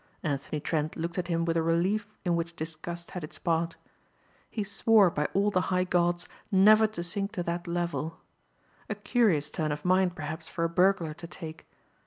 Anthony Trent looked at him with a relief in which disgust had its part. He swore, by all the high gods, never to sink to that level. A curious turn of mind, perhaps, for a burglar to take.